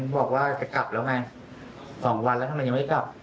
บอกว่าจะกลับแล้วไง๒วันแล้วทำไมยังไม่กลับ